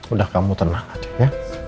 udah kamu tenang adik ya